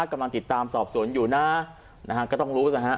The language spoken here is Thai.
กำลังติดตามสอบสวนอยู่นะนะฮะก็ต้องรู้นะฮะ